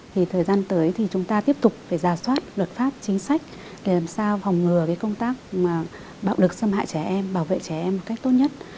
thì thời gian tới thì chúng ta tiếp tục phải giả soát luật pháp chính sách để làm sao phòng ngừa cái công tác bạo lực xâm hại trẻ em bảo vệ trẻ em một cách tốt nhất